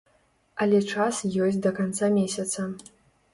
Але час ёсць да канца месяца.